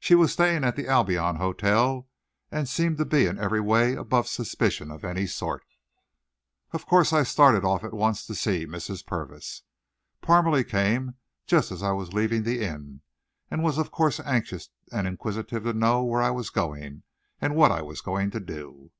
She was staying at the Albion Hotel, and seemed to be in every way above suspicion of any sort. Of course I started off at once to see Mrs. Purvis. Parmalee came just as I was leaving the inn, and was of course anxious and inquisitive to know where I was going, and what I was going to do.